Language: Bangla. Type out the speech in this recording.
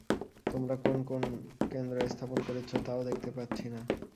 তোমরা কোন কেন্দ্র স্থাপন করেছ, তাও দেখতে পাচ্ছি না।